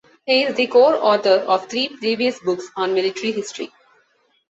He is the co-author of three previous books on military history.